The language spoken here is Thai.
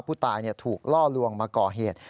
ผู้ตายถูกล่อลวงมาก่อเหตุ